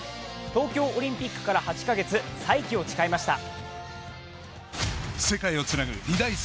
東京オリンピックから８カ月再起を誓いました。